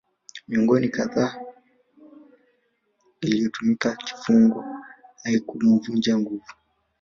Miongo kadhaa aliyotumikia kifungo haikumvunja nguvu